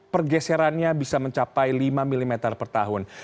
pergeserannya bisa mencapai lima mm per tahun